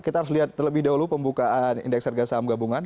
kita harus lihat terlebih dahulu pembukaan indeks harga saham gabungan